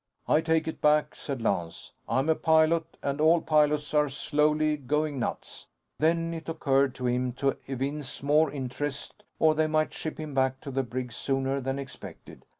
"I take it back," said Lance. "I'm a pilot and all pilots are slowly going nuts." Then, it occurred to him to evince more interest or they might ship him back to the brig sooner than expected.